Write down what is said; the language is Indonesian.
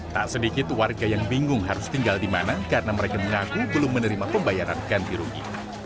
tak sedikit warga yang bingung harus tinggal di mana karena mereka mengaku belum menerima pembayaran ganti rugi